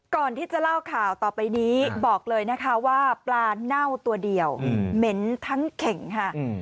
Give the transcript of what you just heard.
ก่อนที่จะเล่าข่าวต่อไปนี้บอกเลยนะคะว่าปลาเน่าตัวเดียวเหม็นทั้งเข่งค่ะ